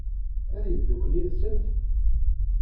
Ad yeddukel yid-sent?